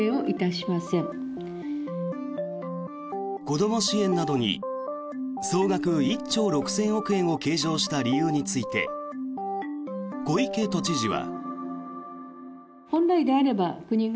子ども支援などに総額１兆６０００億円を計上した理由について小池都知事は。